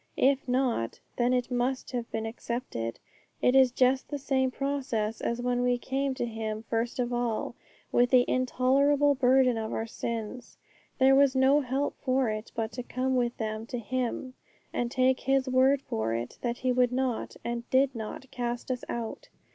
If not, then it must have been accepted. It is just the same process as when we came to Him first of all, with the intolerable burden of our sins. There was no help for it but to come with them to Him, and take His word for it that He would not and did not cast us out.